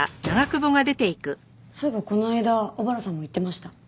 そういえばこの間小原さんも言ってました。